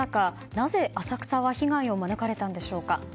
なぜ、浅草は被害を免れたんでしょうか。